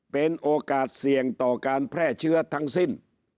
เป็นโอกาสเสี่ยงต่อการแพร่เชื้อทั้งสิ้น